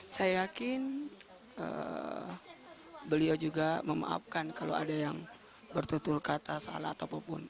saya yakin beliau juga memaafkan kalau ada yang bertutur kata salah atau apapun